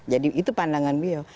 jadi itu pandangan beliau